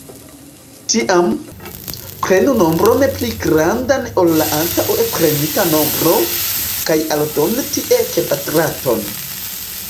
Tiam, prenu nombron pli grandan ol la antaŭe prenita nombro, kaj aldonu tie kvadraton.